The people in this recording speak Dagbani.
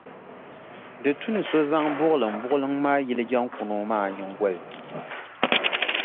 Di tu ni so zaŋ buɣilimbuɣiliŋ maa yili jaŋkuno maa nyiŋgoli ni.